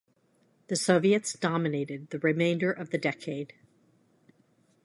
The Soviets dominated the remainder of the decade.